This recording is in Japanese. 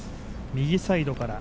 右サイドから。